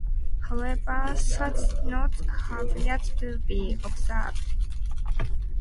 However, such knots have yet to be observed.